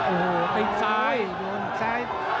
โอ้โหดึงซ้าย